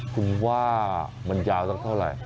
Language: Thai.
คุณว่ามันยาวสักเท่าไหร่